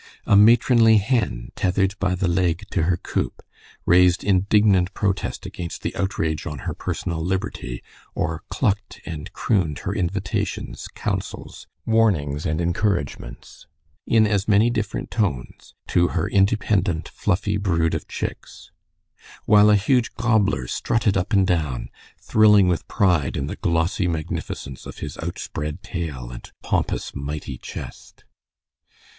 A matronly hen, tethered by the leg to her coop, raised indignant protest against the outrage on her personal liberty, or clucked and crooned her invitations, counsels, warnings, and encouragements, in as many different tones, to her independent, fluffy brood of chicks, while a huge gobbler strutted up and down, thrilling with pride in the glossy magnificence of his outspread tail and pompous, mighty chest.